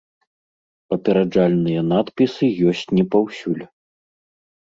Папераджальныя надпісы ёсць не паўсюль.